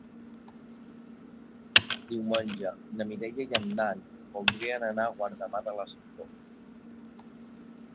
Diumenge na Mireia i en Dan voldrien anar a Guardamar de la Safor.